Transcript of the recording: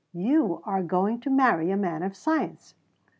You are going to marry a man of science!"